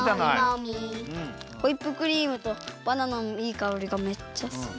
ホイップクリームとバナナのいいかおりがめっちゃする。